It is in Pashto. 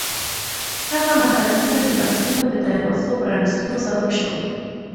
هغه مهارتونه د بحرونو د دروازو پرانیستلو سبب شول.